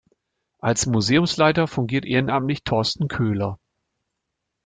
Als Museumsleiter fungiert ehrenamtlich Thorsten Köhler.